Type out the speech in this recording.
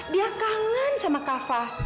dia kangen sama kak fah